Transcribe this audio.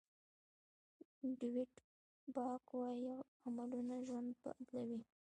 ډویډ باک وایي عملونه ژوند بدلوي.